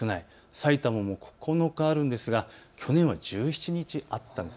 さいたまも９日あるんですが、去年は１７日あったんです。